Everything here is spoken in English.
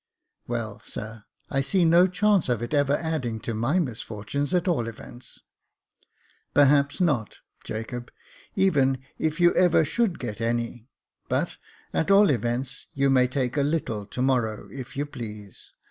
"Well, sir, I see no chance of its ever adding to my misfortunes, at all events." "Perhaps not, Jacob, even if you ever should get any ; but, at all events, you may take a little to morrow, if you please.